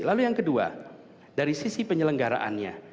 lalu yang kedua dari sisi penyelenggaraannya